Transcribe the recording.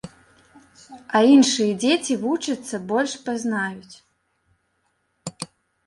А іншыя дзеці вучацца, больш пазнаюць.